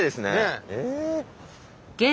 え？